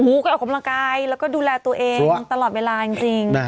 ก็ออกกำลังกายแล้วก็ดูแลตัวเองตลอดเวลาจริง